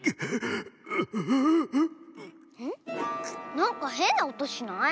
なんかへんなおとしない？